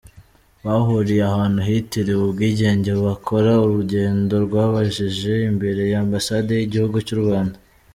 Bahuriye ahantu hitiriwe ubwigenge bakora urugendo rwabagejeje imbere ya ambasade y'igihugu cy'Urwanda.